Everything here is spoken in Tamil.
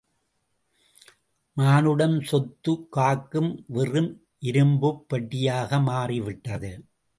மானுடம், சொத்து காக்கும், வெறும் இரும்புப் பெட்டியாக மாறி விட்டதா?